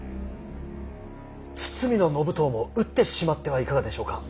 堤信遠も討ってしまってはいかがでしょうか。